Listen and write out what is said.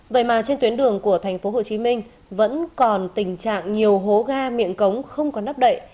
vậy mà trên tuyến đường của tp hcm vẫn còn tình trạng nhiều hố ga miệng cống không có nắp đậy